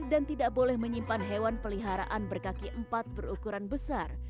dan tidak boleh menyimpan hewan peliharaan berkaki empat berukuran besar